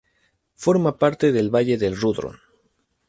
Forma parte del Valle del Rudrón.